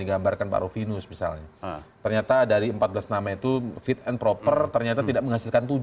digambarkan pak rufinus misalnya ternyata dari empat belas nama itu fit and proper ternyata tidak menghasilkan